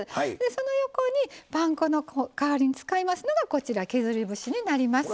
その横にパン粉の代わりに使いますのがこちら削り節になります。